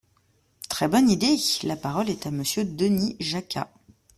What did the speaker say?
Très bonne idée ! La parole est à Monsieur Denis Jacquat.